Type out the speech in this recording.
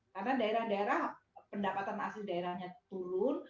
karena daerah daerah pendapatan asli daerahnya turun